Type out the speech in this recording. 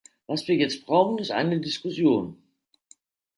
Was wir jetzt brauchen, ist eine Diskussion.